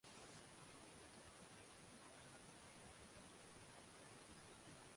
তারা মরক্কোর একটি সমুদ্র সৈকতে অবতরণ করে।